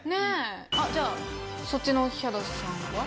じゃあそっちのヒャダさんは。